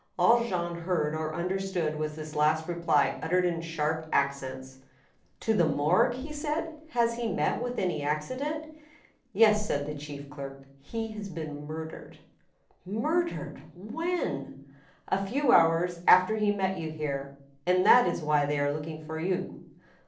All Jean heard or understood was this last reply, uttered in sharp accents. " To the Morgue ?" he said. " Has he met with any acci dent?" " Yies," said the chief clerk. " He has been murdered." " Murdered ! When ?"" A few hours after he met you here, and that is why they are looking for you."